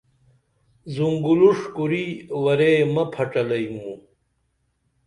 زُنگولُش کُری ورے مہ پھچلئی موں